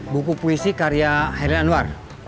buku puisi karya heri anwar